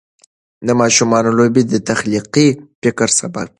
د ماشومانو لوبې د تخلیقي فکر سبب کېږي.